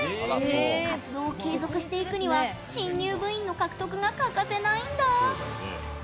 活動を継続していくには新入部員の獲得が欠かせないんだ。